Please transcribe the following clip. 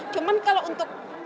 cuman kalau untuk